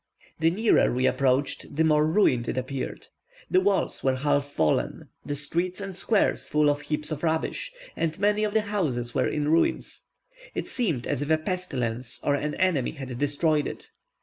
The nearer we approached the more ruined it appeared. The walls were half fallen, the streets and squares full of heaps of rubbish, and many of the houses were in ruins; it seemed as if a pestilence or an enemy had destroyed it.